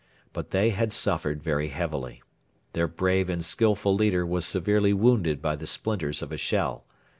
But they had suffered very heavily. Their brave and skilful leader was severely wounded by the splinters of a shell.